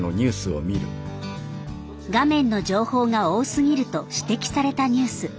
画面の情報が多すぎると指摘されたニュース。